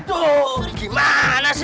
tuh gimana sih